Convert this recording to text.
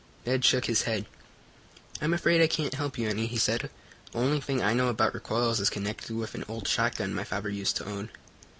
Ned shook his head. "I'm afraid I can't help you any," he said. "The only thing I know about recoils is connected with an old shotgun my father used to own.